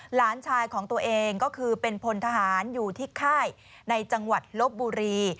หลานชายของตัวเองก็คือเป็นพลทหารอยู่ที่ค่ายในจังหวัดลบบุรี